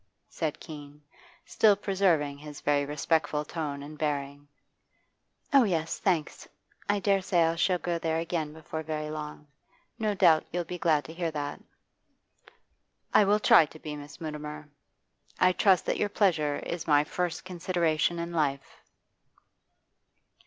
said Keene, still preserving his very respectful tone and bearing. 'Oh yes, thanks. I dare say I shall go there again before very long. No doubt you'll be glad to hear that.' 'I will try to be, Miss Mutimer. I trust that your pleasure is my first consideration in life.